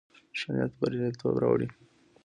ښه نيت برياليتوب راوړي.